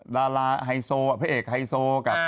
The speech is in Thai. เจออะไรครับ